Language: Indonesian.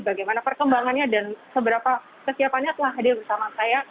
bagaimana perkembangannya dan seberapa kesiapannya telah hadir bersama saya